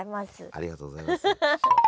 ありがとうございます。